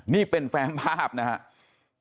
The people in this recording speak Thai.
นี่เป็นแฟมภาพนะครับ